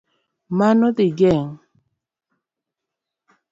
Mano dhi geng'